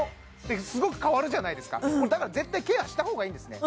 すごく変わるじゃないですかこれだから絶対ケアした方がいいんですね